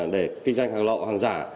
để kinh doanh hàng lọ hàng giả